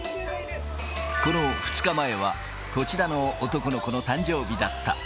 この２日前は、こちらの男の子の誕生日だった。